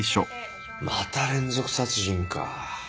また連続殺人か。